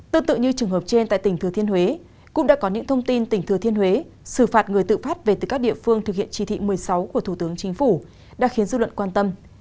tương tự như trường hợp trên tại tỉnh thừa thiên huế cũng đã có những thông tin tỉnh thừa thiên huế xử phạt người tự phát về từ các địa phương thực hiện chỉ thị một mươi sáu của thủ tướng chính phủ đã khiến dư luận quan tâm